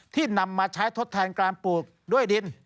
นำมาใช้ทดแทนการปลูกด้วยดิน